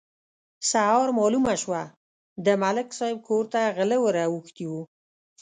سهار مالومه شوه: د ملک صاحب کور ته غله ور اوښتي وو.